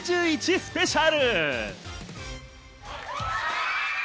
スペシャル。